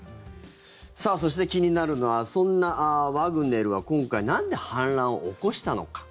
そして、気になるのはそんなワグネルは今回なんで反乱を起こしたのか。